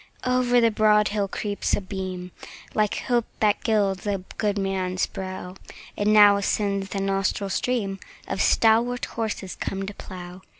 Over the broad hill creeps a beam, Like hope that gilds a good man's brow; 10 And now ascends the nostril stream Of stalwart horses come to plough.